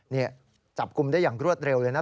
นี่จับกลุ่มได้อย่างรวดเร็วเลยนะ